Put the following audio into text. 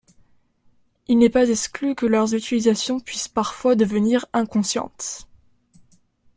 Il n'est pas exclu que leur utilisation puisse parfois devenir inconsciente.